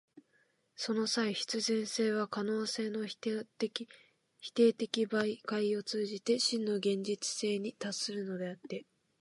その際、必然性は可能性の否定的媒介を通じて真の現実性に達するのであって、